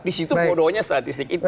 disitu bodohnya statistik itu